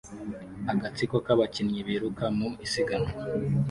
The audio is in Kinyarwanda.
agatsiko k'abakinnyi biruka mu isiganwa